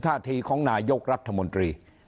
ท่าทีของนายกรัฐมนตรี